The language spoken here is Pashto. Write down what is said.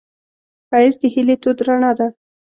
ښایست د هیلې تود رڼا ده